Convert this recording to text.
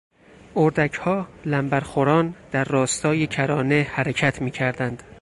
اردکها لمبر خوران در راستای کرانه حرکت میکردند.